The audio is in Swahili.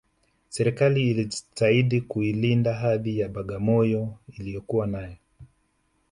Serikali ijitahidi kuilinda hadhi ya Bagamoyo iliyokuwa nayo